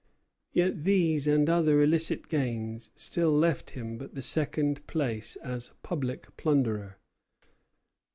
Yet these and other illicit gains still left him but the second place as public plunderer.